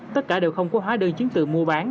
tất cả đều không có hóa đơn chứng tự mua bán